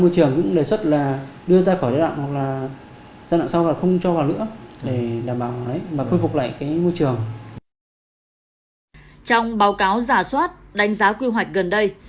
trong báo cáo giả soát đánh giá quy hoạch gần đây